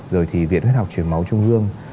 rồi thì viện huyết học truyền máu trung ương